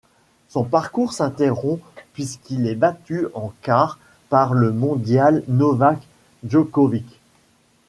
Son parcours s'interrompt puisqu'il est battu en quarts par le mondial Novak Djokovic.